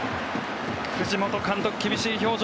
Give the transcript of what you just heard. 藤本監督、厳しい表情。